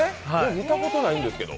見たことないんですけど。